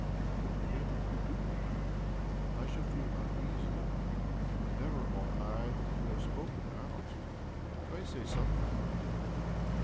" Yet, if you do that, I shall feel uneasy. Never ought I to have spoken out. Pray sdiy something."